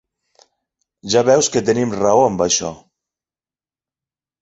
Ja veus que tenim raó amb això!